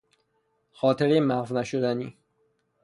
خاطرهی محو نشدنی